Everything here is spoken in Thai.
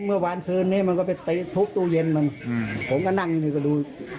เมื่อคืนนี้มันก็ไปทุบตู้เย็นมันผมก็นั่งอยู่ก็ดู